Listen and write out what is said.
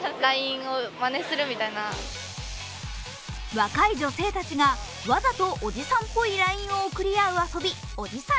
若い女性たちがわざとおじさんっぽいＬＩＮＥを送り合い遊ぶおじさん